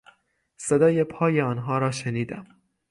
صدای پای آنها را شنیدم.